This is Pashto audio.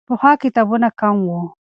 پخوا کتابونه کم وو.